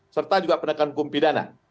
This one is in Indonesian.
serta juga penegakan hukum pidana